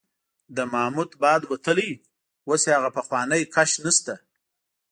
د محمود باد وتلی، اوس یې هغه پخوانی کش نشته.